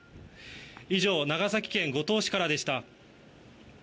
以上、長崎県五島市からでした。